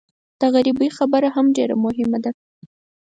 د غریبۍ خبره هم ډېره مهمه ده.